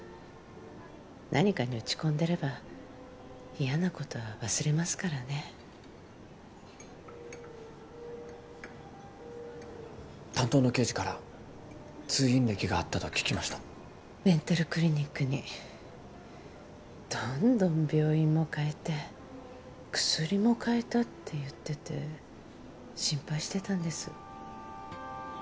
何かに打ち込んでれば嫌なことは忘れますからね担当の刑事から通院歴があったと聞きましたメンタルクリニックにどんどん病院も変えて薬も替えたって言ってて心配してたんです